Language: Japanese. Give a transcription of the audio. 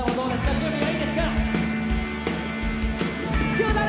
準備はいいですか？